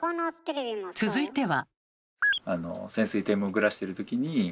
続いては。